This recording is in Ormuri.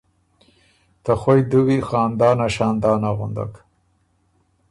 ”ته خوئ دُوی خاندانه شاندانه غُندک“